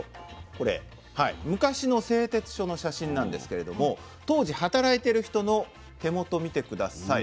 これ昔の製鉄所の写真なんですけれども当時働いてる人の手元見て下さい。